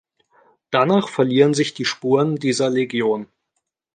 Danach verlieren sich die Spuren dieser Legion.